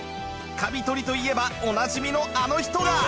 カビ取りといえばおなじみのあの人が！